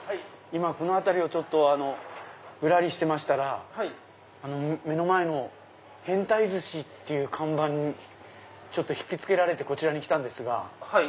今この辺りをぶらりしてましたら目の前の変タイ鮨っていう看板に引きつけられてこちらに来たんですが。